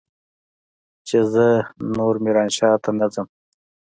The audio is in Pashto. چې زه نور ميرانشاه ته نه ځم.